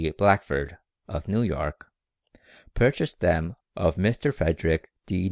Blackford, of New York, purchased them of Mr. Frederick D.